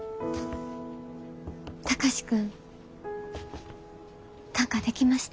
貴司君短歌できました？